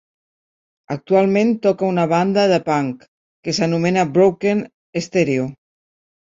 Actualment toca a una banda de punk que s'anomena Broken Stereo.